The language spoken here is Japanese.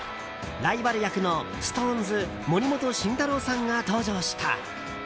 ライバル役のＳｉｘＴＯＮＥＳ森本慎太郎さんが登場した。